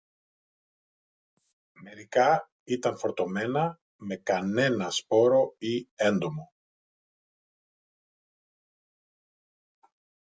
Μερικά ήταν φορτωμένα με κανένα σπόρο ή έντομο